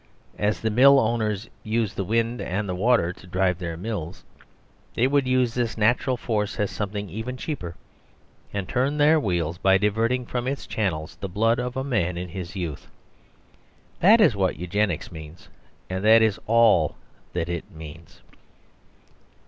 As the mill owners use the wind and the water to drive their mills, they would use this natural force as something even cheaper; and turn their wheels by diverting from its channel the blood of a man in his youth. That is what Eugenics means; and that is all that it means.